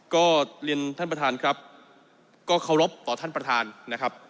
ก็เรียนท่านประธานครับก็เคารพต่อท่านประธานนะครับ